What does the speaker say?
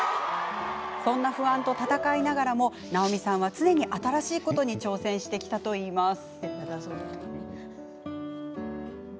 そんな不安と闘いながらも直美さんは常に新しいことに挑戦してきたといいます。